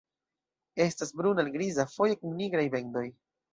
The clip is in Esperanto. Estas bruna al griza, foje kun nigraj bendoj.